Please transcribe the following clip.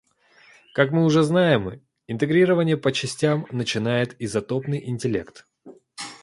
Как мы уже знаем, интегрирование по частям начинает изотопный интеллект.